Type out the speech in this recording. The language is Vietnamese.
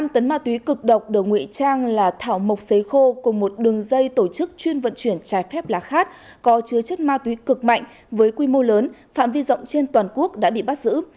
một mươi tấn ma túy cực độc được ngụy trang là thảo mộc xấy khô cùng một đường dây tổ chức chuyên vận chuyển trái phép lá khát có chứa chất ma túy cực mạnh với quy mô lớn phạm vi rộng trên toàn quốc đã bị bắt giữ